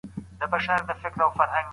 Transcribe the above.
تاسو بايد د تېر تاريخ پاڼې په دقت واړوئ.